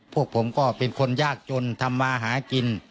พวกผมก็เป็นคนยากจนทำมาหากิน